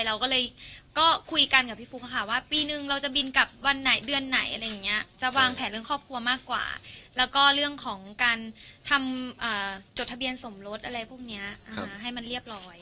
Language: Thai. เราก็เลยก็คุยกันกับพี่ฟุ๊กค่ะว่าปีนึงเราจะบินกับวันไหนเดือนไหนอะไรอย่างเงี้ยจะวางแผนเรื่องครอบครัวมากกว่าแล้วก็เรื่องของการทำจดทะเบียนสมรสอะไรพวกนี้ให้มันเรียบร้อย